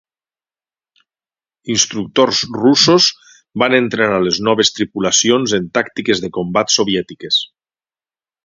Instructors russos van entrenar a les noves tripulacions en tàctiques de combat soviètiques.